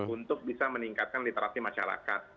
untuk bisa meningkatkan literasi masyarakat